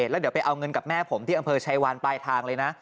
แล้วเดี๋ยวไปเอาเงินกับแม่ผมที่อำเภอชายวานปลายทางเลยนะ